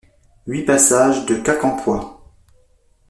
huit passage de Quincampoix